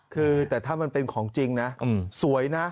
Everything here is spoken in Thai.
คือแต่ถ้ามันเป็นของจริงนะสวยนะ